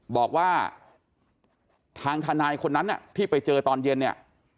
บอกว่าทางทนายคนนั้นที่ไปเจอตอนเย็นเนี่ย